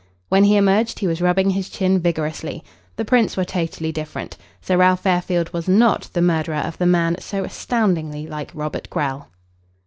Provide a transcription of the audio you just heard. When he emerged he was rubbing his chin vigorously. The prints were totally different. Sir Ralph Fairfield was not the murderer of the man so astoundingly like Robert Grell.